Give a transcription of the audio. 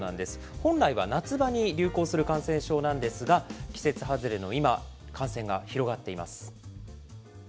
本来は夏場に流行する感染症なんですが、季節外れの今、感染が広がっています。